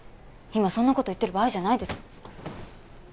今そんな事言ってる場合じゃないです。